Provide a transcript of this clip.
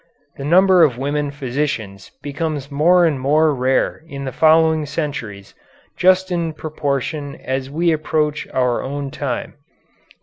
The number of women physicians becomes more and more rare in the following centuries just in proportion as we approach our own time.